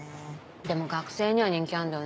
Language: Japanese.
でも学生には人気あんだよね。